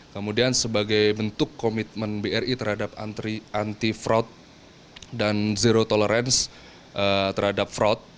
kemudian sebagai bentuk komitmen bri terhadap anti fraud dan zero tolerance terhadap fraud